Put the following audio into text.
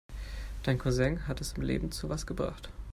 Dein Cousin hat es im Leben zu was gebracht.